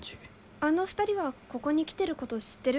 あの２人はここに来てること知ってる？